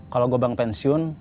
kalau gue bang pensiun